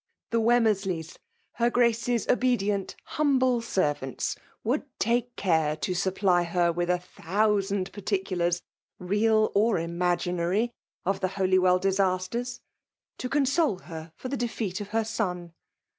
The "Vtremmersleys^ her grace's otiedient humUe; aeryantfi, would take care to supply her wilh a tJM>u^and particulars, real or imaginary, of the* Holywell disasters, to console her for the defeat of her son.